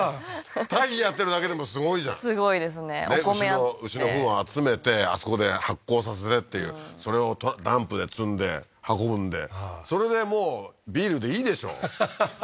堆肥やってるだけでもすごいじゃんすごいですねお米やって牛のフンを集めてあそこで発酵させてっていうそれをダンプで積んで運んでそれでもうビールでいいでしょははははっ